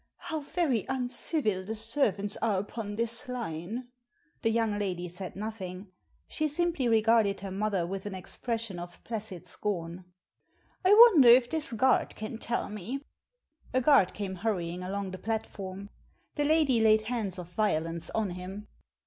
"How very uncivil the servants are upon this line!" The young lady said nothing. She simply regarded her mother with an expression of placid scorn. "I wonder if this gfuard can tell me." A guard came hurrying along the platform. The lady laid hands of violence on him.